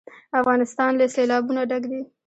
افغانستان له سیلابونه ډک دی.